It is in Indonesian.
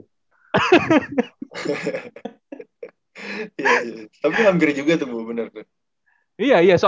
tapi hampir juga tuh